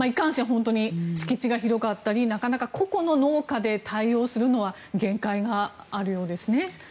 本当に敷地が広かったり個々の農家で対応するのは限界があるようですね。